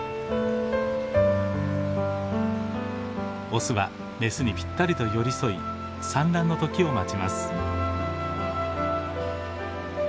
オスはメスにぴったりと寄り添い産卵の時を待ちます。